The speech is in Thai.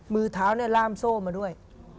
มือเท้าเนี่ยร่ามโซ่มาด้วย